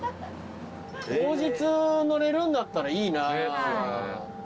当日乗れるんだったらいいなー。